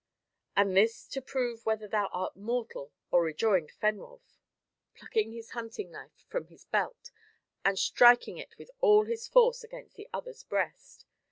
And this to prove whether thou art mortal or rejoined Fenwolf, plucking his hunting knife from his belt, and striking it with all his force against the other's breast.